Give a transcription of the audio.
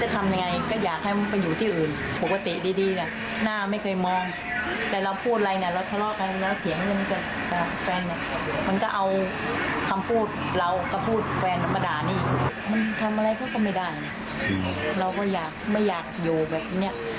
ทำอะไรเขาก็ไม่ได้เราก็ไม่อยากอยู่แบบนี้